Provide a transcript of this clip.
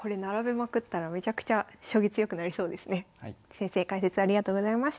先生解説ありがとうございました。